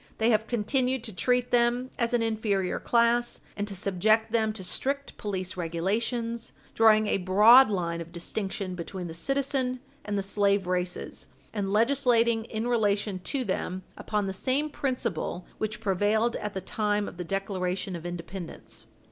They have continued to treat them as an inferior class, and to subject them to strict police regulations, drawing a broad line of distinction between the citizen and the slave races, and legislating in relation to them upon the same principle which prevailed at the time of the Declaration of Independence.